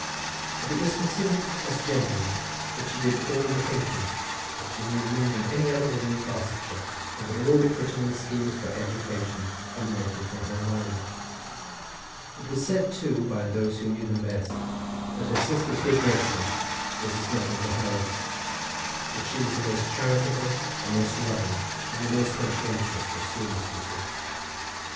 But it was considered as generally that she did all the thinking, that she knew more than any other woman in Barsetshire, and that all the Prettyman schemes for education emanated from her mind. It was said, too, by those who knew them best, that her sister's good nature was as nothing to hers; that she was the most charitable, the most loving, and the most conscientious of schoolmistresses.